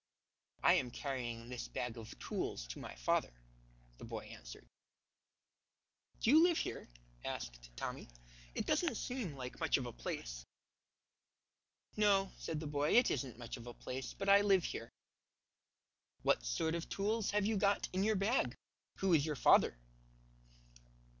"I am carrying this bag of tools to my father," the boy answered. "Do you live here?" asked Tommy. "It doesn't seem like much of a place." "No," said the boy, "it isn't much of a place, but I live here." "What sort of tools have you got in your bag? Who is your father?"